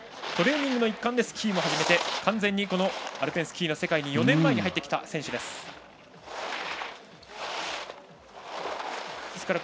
トレーニングの一環でスキーを始めて完全にアルペンスキーの世界に４年前に入ってきた選手です。